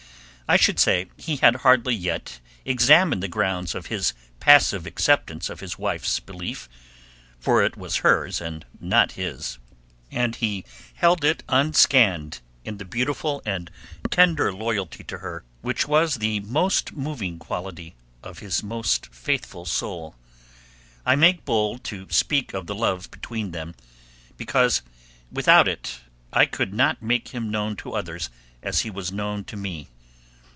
I should say he had hardly yet examined the grounds of his passive acceptance of his wife's belief, for it was hers and not his, and he held it unscanned in the beautiful and tender loyalty to her which was the most moving quality of his most faithful soul. I make bold to speak of the love between them, because without it I could not make him known to others as he was known to me.